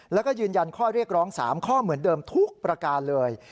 แล้วก็ยืนยันข้อเรียกร้อง๓ข้อเหมือนเดิมทุกประการเลย